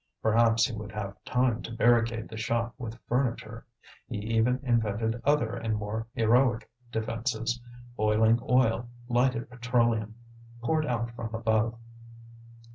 Perhaps he would have time to barricade the shop with furniture; he even invented other and more heroic defences boiling oil, lighted petroleum, poured out from above.